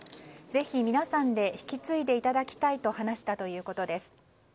ぜひ皆さんで引き継いでいただきたいと話したということです。